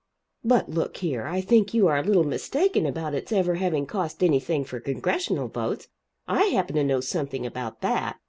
"But look here. I think you are a little mistaken about it's ever having cost anything for Congressional votes. I happen to know something about that.